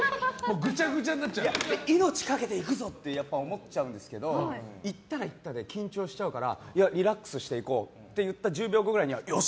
命かけていくぞ！って思っちゃうんですけど行ったら行ったで緊張しちゃうからリラックスしていこうって思った次の瞬間によし！